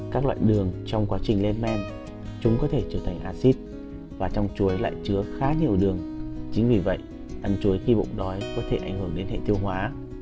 các loại đường trong quá trình lên men chúng có thể trở thành acid và trong chuối lại chứa khá nhiều đường chính vì vậy ăn chuối khi bụng đói có thể ảnh hưởng đến hệ tiêu hóa